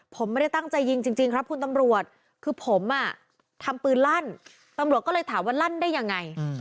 ผมไม่ได้ตั้งใจยิงจริงครับคุณตำรวจคือผมอ่ะทำปืนลั่นตำรวจก็เลยถามว่าลั่นได้ยังไง